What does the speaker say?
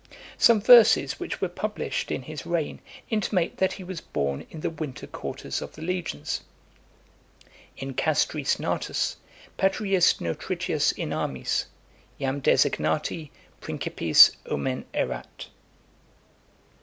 Some verses which were published in his reign, intimate that he was born in the winter quarters of the legions, In castris natus, patriis nutritius in armis, Jam designati principis omen erat.